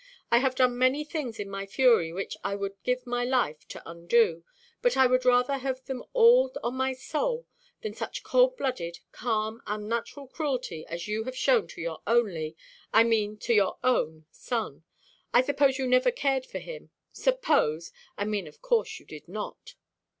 I have done many things in my fury which I would give my life to undo; but I would rather have them all on my soul than such cold–blooded, calm, unnatural cruelty as you have shown to your only—I mean to your own—son. I suppose you never cared for him; suppose! I mean of course you did not."